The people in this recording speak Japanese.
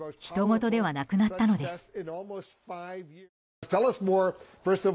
ひとごとではなくなったのです。